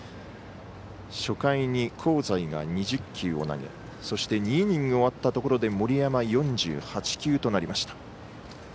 初回に香西が２０球を投げそして、２イニング終わったところで森山、４８球となりました。